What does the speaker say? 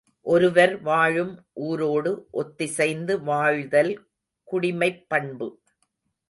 ஒருவர் வாழும் ஊரோடு ஒத்திசைந்து வாழ்தல் குடிமைப் பண்பு.